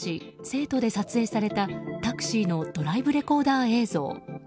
成都で撮影されたタクシーのドライブレコーダー映像。